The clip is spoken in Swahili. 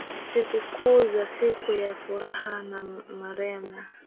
Sikukuu ni siku ya furaha na nderemo.]